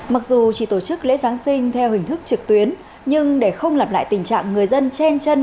mặc dù chỉ tổ chức lễ giáng sinh theo hình thức trực tuyến nhưng để không lặp lại tình trạng người dân chen chân